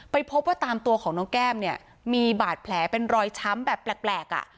พบว่าตามตัวของน้องแก้มเนี่ยมีบาดแผลเป็นรอยช้ำแบบแปลกอ่ะ